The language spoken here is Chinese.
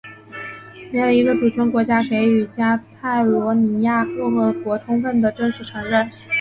没有一个主权国家给予加泰罗尼亚共和国充分的正式承认。